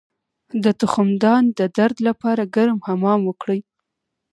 د تخمدان د درد لپاره ګرم حمام وکړئ